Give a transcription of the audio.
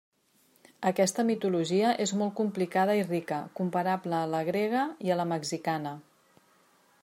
Aquesta mitologia és molt complicada i rica, comparable a la grega i la mexicana.